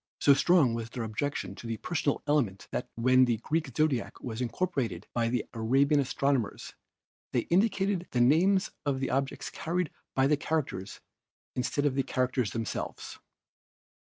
"So strong was their objection to the personal element that when the Greek Zodiac was incorporated by the Arabian astronomers they indicated the names of the objects carried by the characters instead of the characters themselves.